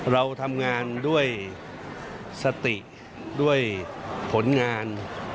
เราทำงานด้วยสติด้วยผลงาน